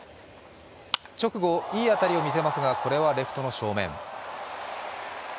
直後、いい当たりを見せますが、これはレフトの正面。